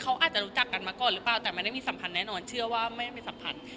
เขาอาจจะรู้จักกันมาก่อนหรือเปล่าแต่ไม่ได้มีสัมพันธ์แน่นอนเชื่อว่าไม่ได้มีสัมพันธ์